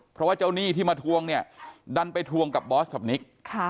เพราะว่าเจ้าหนี้ที่มาทวงเนี่ยดันไปทวงกับบอสกับนิก